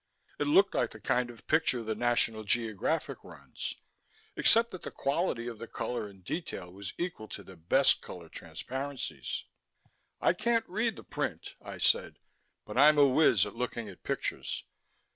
It looked like the kind of picture the National Geographic runs, except that the quality of the color and detail was equal to the best color transparencies. "I can't read the print," I said, "but I'm a whiz at looking at pictures.